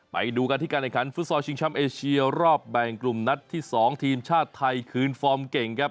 ไปดูกันที่การแข่งขันฟุตซอลชิงช้ำเอเชียรอบแบ่งกลุ่มนัดที่๒ทีมชาติไทยคืนฟอร์มเก่งครับ